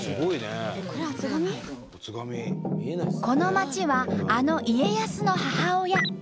この町はあの家康の母親